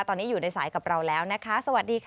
ตอนนี้อยู่ในสายกับเราแล้วนะคะสวัสดีค่ะ